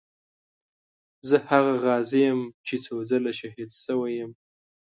زه هغه غازي یم چې څو ځله شهید شوی یم.